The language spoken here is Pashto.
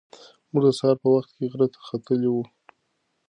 موږ د سهار په وخت کې غره ته ختلي وو.